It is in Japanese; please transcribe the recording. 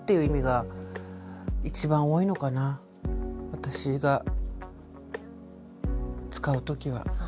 私が使う時は。